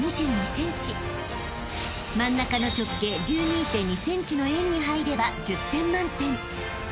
［真ん中の直径１２．２ｃｍの円に入れば１０点満点］